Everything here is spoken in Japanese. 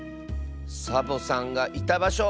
サボさんがいたばしょ。